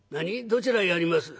「どちらへやります？」。